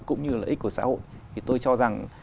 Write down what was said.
cũng như lợi ích của xã hội thì tôi cho rằng